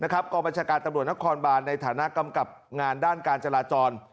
กรรมบัญชาการตำรวจนครบานในฐานะกำกับงานด้านการจราจร